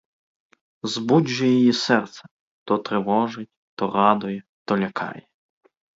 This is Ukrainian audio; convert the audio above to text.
Збуджує її серце, то тривожить, то радує, то лякає.